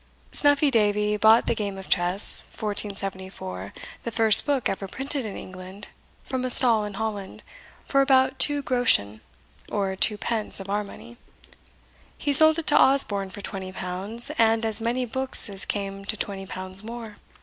Snuffy Davy bought the Game of Chess, 1474, the first book ever printed in England, from a stall in Holland, for about two groschen, or twopence of our money. He sold it to Osborne for twenty pounds, and as many books as came to twenty pounds more.